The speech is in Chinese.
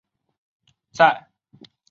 在华南普遍有此样的信仰。